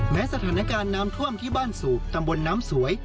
สถานการณ์น้ำท่วมที่บ้านสูบตำบลน้ำสวย